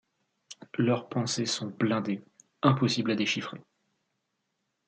Leurs pensées sont blindées, impossibles à déchiffrer.